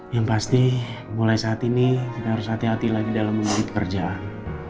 yang pasti mulai saat ini kita harus hati hati lagi dalam mengambil pekerjaan